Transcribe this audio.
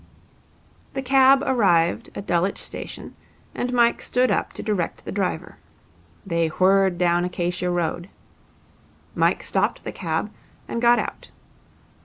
"' The cab arrived at Dulwich station, and Mike stood up to direct the driver. They whirred down Acacia Road. Mike stopped the cab and got out.